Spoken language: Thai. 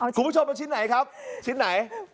คุณผู้ชมเป็นชิ้นไหนครับชิ้นไหน